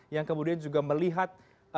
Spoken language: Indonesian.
yang kemudian juga melihat